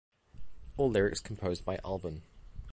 All lyrics composed by Albarn.